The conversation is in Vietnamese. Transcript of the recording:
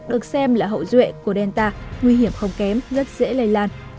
được xem là hậu duệ của delta nguy hiểm không kém rất dễ lây lan